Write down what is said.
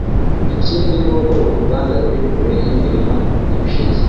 Ikindi ni uko uruganda ruri kure y’imirima y’ibisheke